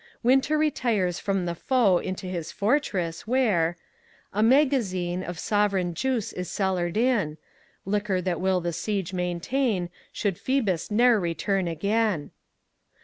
Winter retires from the foe into his fortress, where a magazine Of sovereign juice is cellared in; Liquor that will the siege maintain Should Phoebus ne'er return again.